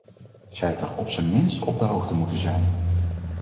Zij had toch op zijn minst op de hoogte moeten zijn.